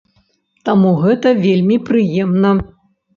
Таму гэта вельмі прыемна.